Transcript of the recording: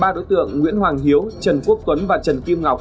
ba đối tượng nguyễn hoàng hiếu trần quốc tuấn và trần kim ngọc